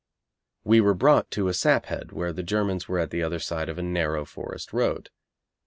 We were brought to a sap head where the Germans were at the other side of a narrow forest road.